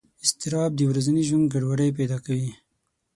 اضطراب د ورځني ژوند ګډوډۍ پیدا کوي.